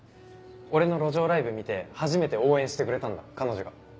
俺の路上ライブ見て初めて応援してくれたんだ彼女が。